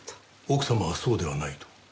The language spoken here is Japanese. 奥様はそうではないと？